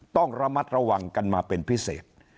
ต้องระมัดระวังกันมาเป็นพิเศษ